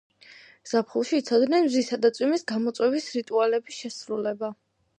ზაფხულში იცოდნენ მზისა და წვიმის გამოწვევის რიტუალების შესრულება.